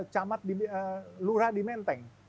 camat lura di menteng